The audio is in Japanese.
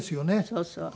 そうそう。